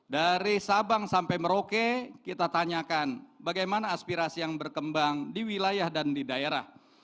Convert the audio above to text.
dari sabang sampai merauke kita tanyakan bagaimana aspirasi yang berkembang di wilayah dan di daerah